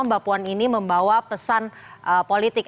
mbak puan ini membawa pesan politik